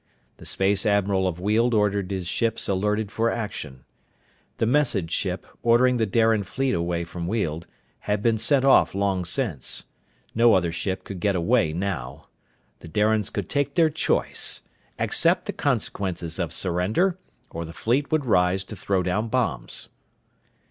The space admiral of Weald ordered his ships alerted for action. The message ship, ordering the Darian fleet away from Weald, had been sent off long since. No other ship could get away now! The Darians could take their choice: accept the consequences of surrender, or the fleet would rise to throw down bombs.